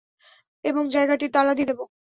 এবং জায়গাটি তালা দিয়ে দেয়।